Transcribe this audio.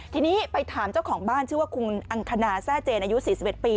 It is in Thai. ทีนี้ไปถามเจ้าของบ้านชื่อว่าคุณอังคณาแซ่เจนอายุ๔๑ปี